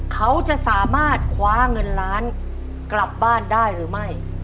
เขาจะสามารถคว้าเงินล้านกลับบ้านได้หรือไม่